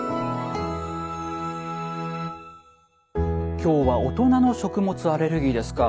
今日は大人の食物アレルギーですか。